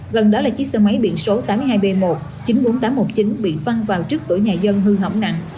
gần đó là chiếc xe máy biển số tám mươi hai b một chín mươi bốn nghìn tám trăm một mươi chín bị văng vào trước cửa nhà dân hư hỏng nặng